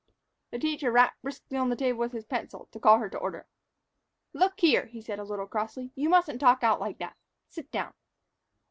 The teacher rapped briskly on the table with his pencil, to call her to order. "Look here," he said, a little crossly, "you mustn't talk out like that. Sit down."